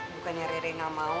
bukannya rere gak mau